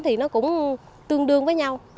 thì nó cũng tương đương với nhau